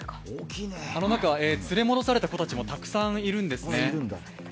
あの中は連れ戻された子たちもたくさんいるんですね。